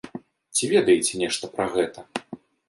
Ці ведаеце нешта пра гэта?